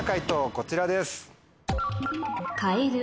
こちらです。